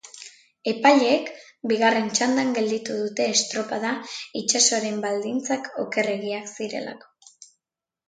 Epaileek bigarren txandan gelditu dute estropada itsasoaren baldintzak okerregiak zirelako.